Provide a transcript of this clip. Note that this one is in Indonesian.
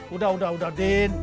udah udah udah din